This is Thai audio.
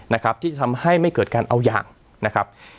นะครับที่จะทำให้ไม่เกิดการเอาอย่างนะครับ